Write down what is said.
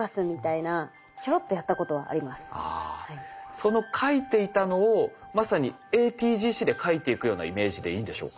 その書いていたのをまさにＡＴＧＣで書いていくようなイメージでいいんでしょうか？